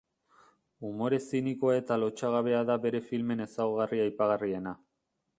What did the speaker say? Umore zinikoa eta lotsagabea da bere filmen ezaugarri aipagarriena.